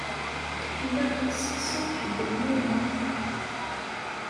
Ilaq ad testeqsiḍ ḥedd-nniḍen.